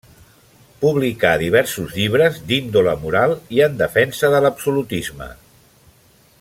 Publicà diversos llibres d'índole moral i en defensa de l'absolutisme.